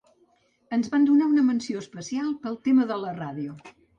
Ens van donar una menció especial pel tema de la ràdio.